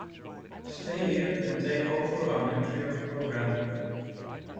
Stay here and take over our nuclear programme.